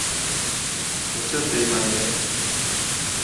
— O‘chir deyman-ye...